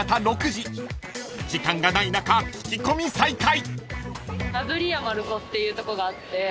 ［時間がない中聞き込み再開］